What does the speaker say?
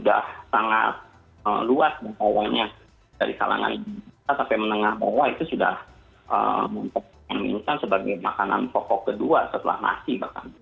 dari kalangan kita sampai menengah mohon itu sudah untuk dimiliki sebagai makanan pokok kedua setelah nasi